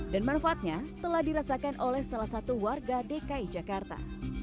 dan manfaatnya telah dirasakan oleh salah satu warga dki jakarta